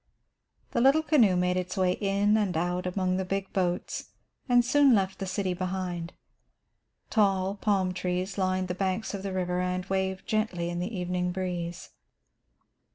The little canoe made its way in and out among the big boats and soon left the city behind. Tall palm trees lined the banks of the river and waved gently in the evening breeze.